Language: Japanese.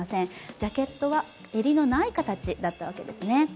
ジャケットは襟のない形だったわけですね。